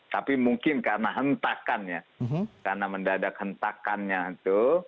tapi mungkin karena hentakannya karena mendadak hentakannya itu